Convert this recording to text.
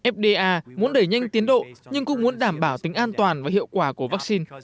fda muốn đẩy nhanh tiến độ nhưng cũng muốn đảm bảo tính an toàn và hiệu quả của vaccine